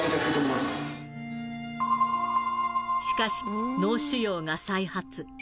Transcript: しかし脳腫瘍が再発。